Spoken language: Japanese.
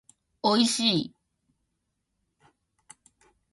おいしい